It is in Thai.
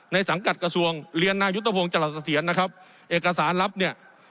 สังกัดกระทรวงเรียนนายุทธพงศ์จรัสเถียรนะครับเอกสารลับเนี่ย